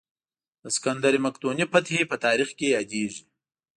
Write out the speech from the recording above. د سکندر مقدوني فتحې په تاریخ کې یادېږي.